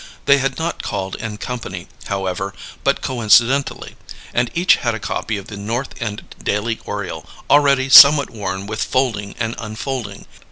They had not called in company, however, but coincidentally; and each had a copy of The North End Daily Oriole, already somewhat worn with folding and unfolding.